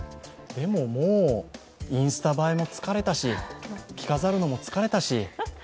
でも、もうインスタ映えも疲れたし、着飾るのも疲れたし。